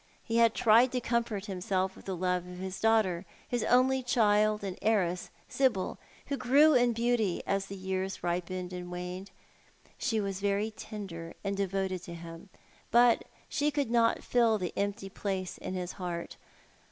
He tried to comfort himself with the love of his daughter, his only child and heiress, Sibyl, who grew in beauty as the years ripened and waned. She was very tender and devoted to him, but she could not fill the empty place in his heart.